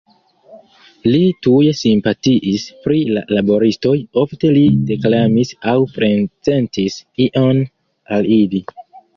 Li tuj simpatiis pri la laboristoj, ofte li deklamis aŭ prezentis ion al ili.